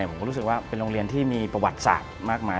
ผมก็รู้สึกว่าเป็นโรงเรียนที่มีประวัติศาสตร์มากมาย